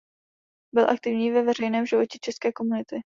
Byl aktivní ve veřejném životě české komunity.